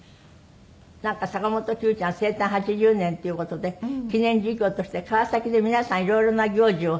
なんか坂本九ちゃん生誕８０年っていう事で記念事業として川崎で皆さん色々な行事を。